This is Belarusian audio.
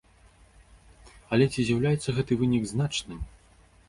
Але ці з'яўляецца гэты вынік значным?